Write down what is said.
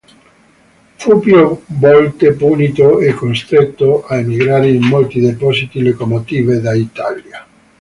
Fu più volte punito e costretto a emigrare in molti depositi locomotive d'Italia.